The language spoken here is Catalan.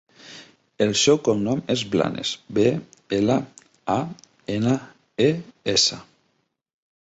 El seu cognom és Blanes: be, ela, a, ena, e, essa.